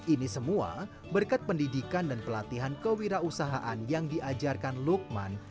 ini semua berkat pendidikan dan pelatihan kewirausahaan yang diajarkan lukman